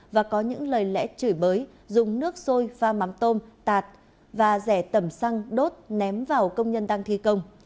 và có những lời lẽ chửi bới dùng nước sôi pha mắm tôm tạt và rẻ tẩm xăng đốt ném vào công nhân đang thi công